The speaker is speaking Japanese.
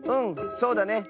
そうだね。